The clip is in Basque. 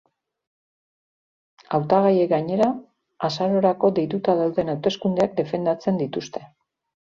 Hautagaiek gainera, azarorako deituta dauden hauteskundeak defendatzen dituzte.